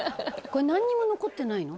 「これなんにも残ってないの？」